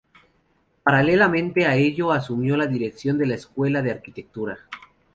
Paralelamente a ello asumió la dirección de la Escuela de Arquitectura.